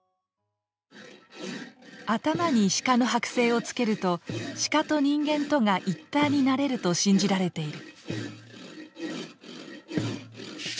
頭にシカの剥製をつけるとシカと人間とが一体になれると信じられている。